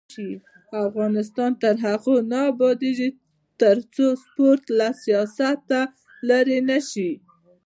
افغانستان تر هغو نه ابادیږي، ترڅو سپورټ له سیاسته لرې نشي.